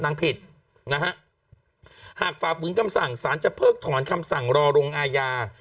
ผิดนะฮะหากฝ่าฝืนคำสั่งสารจะเพิกถอนคำสั่งรอลงอาญา